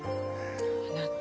あなた。